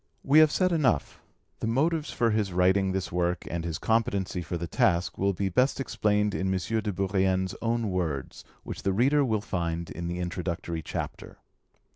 We have said enough, the motives for his writing this work and his competency for the task will be best explained in M. de Bourrienne's own words, which the reader will find in the Introductory Chapter.